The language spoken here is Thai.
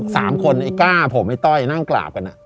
สามคนไอ้ก้าผมไอ้ต้อยนั่งกราบกัน